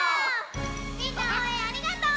みんなおうえんありがとう！